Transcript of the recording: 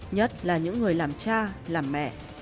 nhất là những người làm cha làm mẹ